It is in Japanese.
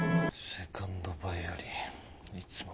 セカンドバイオリンいつも